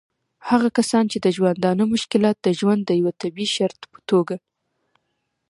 هغه کسان چې د ژوندانه مشکلات د ژوند د یوه طبعي شرط په توګه